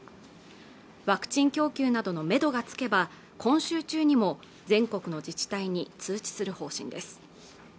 ワクチン供給などのめどがつけば今週中にも全国の自治体に通知する方針です